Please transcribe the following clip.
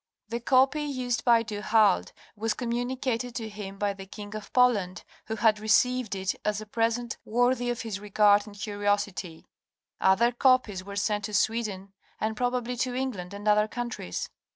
The copy used by Du Halde was communicated to him by the King of Poland who had received it as a "' Present worthy of his regard and curiosity " (Du Halde, iv, p. 439, Brookes' ed.). Other copies were sent to Sweden and probably to England and other countries.